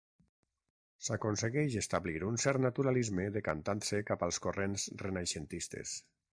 S'aconsegueix establir un cert naturalisme decantant-se cap als corrents renaixentistes.